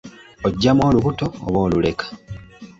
Oggyamu olubuto oba oluleka?